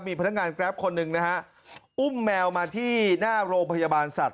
มีพนักงานแกรปคนหนึ่งนะฮะอุ้มแมวมาที่หน้าโรงพยาบาลสัตว